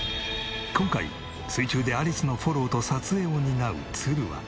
今回水中でアリスのフォローと撮影を担う都留は。